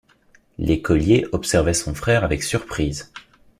L’écolier observait son frère avec surprise.